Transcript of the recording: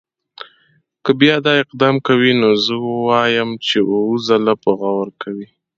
که بیا دا اقدام کوي نو زه وایم چې اووه ځله به غور کوي.